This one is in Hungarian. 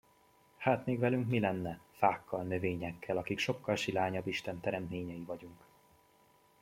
Hát még velünk mi lenne, fákkal, növényekkel, akik sokkal silányabb Isten teremtményei vagyunk?